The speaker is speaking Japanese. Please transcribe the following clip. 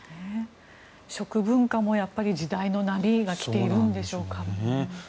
食文化も時代の波が来ているんでしょうか。